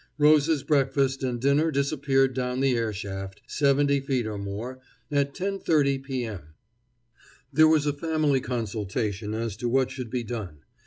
Rose's breakfast and dinner disappeared down the air shaft, seventy feet or more, at 10:30 P. M. There was a family consultation as to what should be done.